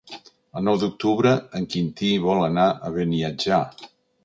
El nou d'octubre en Quintí vol anar a Beniatjar.